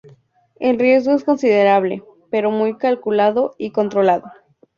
El riesgo es considerable, pero muy calculado y controlado.